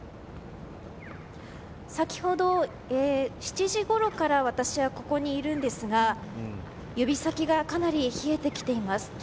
先ほど７時ごろから私はここにいるんですが指先がかなり冷えてきています。